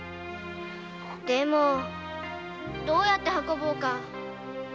でもどうやって運ぼうか？